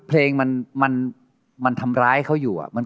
โปรดติดตามต่อไป